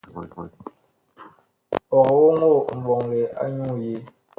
Ɔg oŋoo mɓɔŋle anyuu yee ?